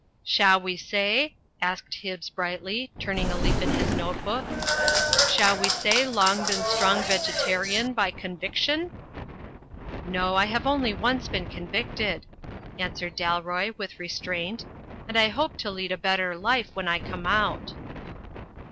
"Sha* we say," asked Hibbs brightly, turning a leaf in his note book, "sha* we say long been strong vege tarian by conviction?" "No; I have only once been convicted," answered Dalroy, with restraint, "and I hope to lead a better life when I come out."